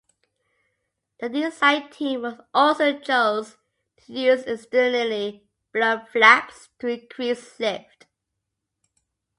The design team also chose to use externally blown flaps to increase lift.